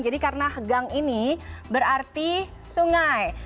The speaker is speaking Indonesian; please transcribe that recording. jadi karena gang ini berarti sungai